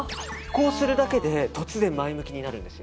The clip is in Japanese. こうするだけで突然前向きになります。